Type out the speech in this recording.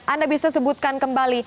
anda bisa sebutkan kembali